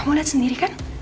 kamu liat sendiri kan